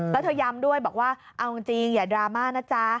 แล้วเธอย้ำด้วยบอกว่าเอาจริงอย่าดราม่านะจ๊ะ